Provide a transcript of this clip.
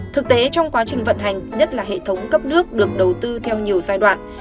thực tế trong quá trình vận hành nhất là hệ thống cấp nước được đầu tư theo nhiều giai đoạn